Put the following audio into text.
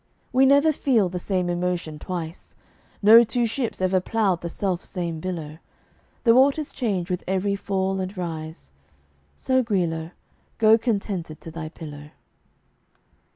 We never feel the same emotion twice: No two ships ever ploughed the self same billow; The waters change with every fall and rise; So, Guilo, go contented to thy pillow.